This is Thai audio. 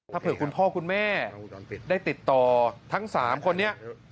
ถ้าเผื่อคุณพ่อคุณแม่ได้ติดต่อทั้ง๓คนนี้